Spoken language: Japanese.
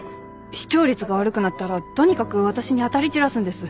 視聴率が悪くなったらとにかく私に当たり散らすんです。